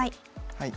はい。